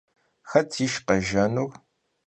Xet yişş khejjenur?